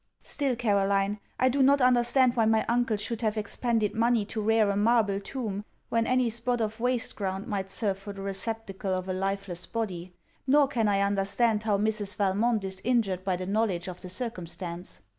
Still, Caroline, I do not understand why my uncle should have expended money to rear a marble tomb, when any spot of waste ground might serve for the receptacle of a lifeless body; nor can I understand how Mrs. Valmont is injured by the knowledge of the circumstance.